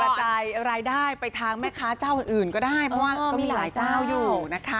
จ่ายรายได้ไปทางแม่ค้าเจ้าอื่นก็ได้เพราะว่าก็มีหลายเจ้าอยู่นะคะ